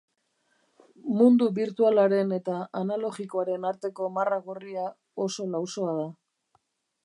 Mundu birtualaren eta analogikoaren arteko marra gorria oso lausoa da.